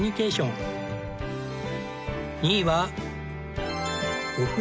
２位は。